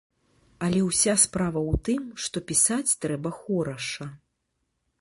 Але ўся справа ў тым, што пісаць трэба хораша.